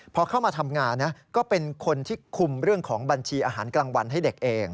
พอเข้ามาทำงานนะก็เป็นคนที่คุมเรื่องของบัญชีอาหารกลางวันให้เด็กเอง